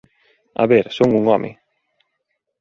A ver, son un home.